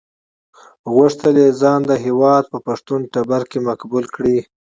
غوښتل یې ځان د هېواد په پښتون ټبر کې مقبول کړي.